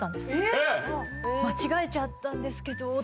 「間違えちゃったんですけど」